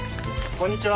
こんにちは。